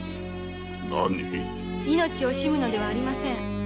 何⁉命を惜しむのではありません。